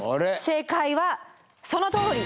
正解はそのとおり。